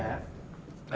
ayo duduk kita makan